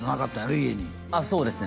家にそうですね